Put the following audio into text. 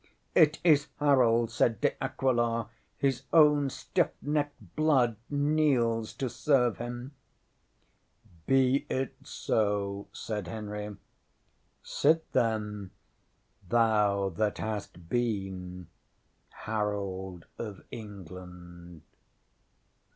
ŌĆ£It is Harold! ŌĆØ said De Aquila. ŌĆ£His own stiff necked blood kneels to serve him. ŌĆ£Be it so, ŌĆØ said Henry. ŌĆ£Sit, then, thou that hast been Harold of England.